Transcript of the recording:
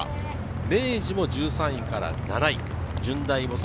明治も１３位から７位。